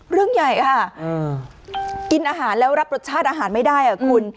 เรื่องใหญ่ค่ะกินอาหารแล้วรับรสชาติอาหารไม่ได้อ่ะคุณ